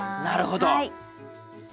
なるほど。